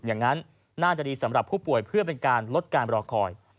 อย่างนั้นน่าจะดีสำหรับผู้ป่วยเพื่อเป็นการลดการรอคอย